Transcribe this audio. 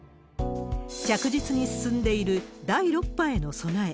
着実に進んでいる第６波への備え。